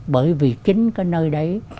bởi vì chính cái nơi đấy